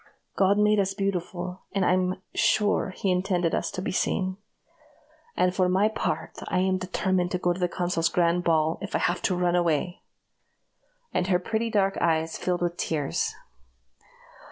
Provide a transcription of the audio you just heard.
God made us beautiful, and I'm sure he intended us to be seen. And for my part, I am determined to go to the consul's grand ball, if I have to run away!" and her pretty dark eyes filled with tears.